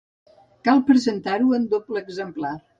Cal presentar-ho en doble exemplar.